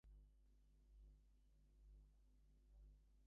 They could work until their twenties.